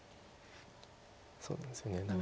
そうなんですよね。